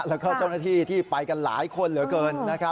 แล้วก็เจ้าหน้าที่ที่ไปกันหลายคนเหลือเกิน